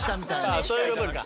あそういうことか。